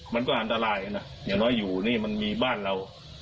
มันก็อันตรายนะอย่างน้อยอยู่นี่มันมีบ้านเรา